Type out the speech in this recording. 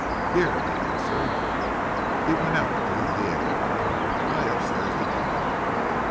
'Here,' he answered. He went out to the theatre, I upstairs to dine.